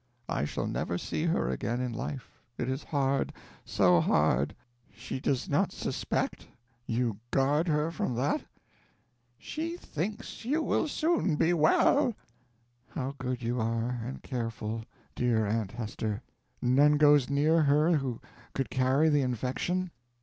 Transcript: I shall never see her again in life. It is hard, so hard. She does not suspect? You guard her from that?" "She thinks you will soon be well." "How good you are, and careful, dear Aunt Hester! None goes near her who could carry the infection?"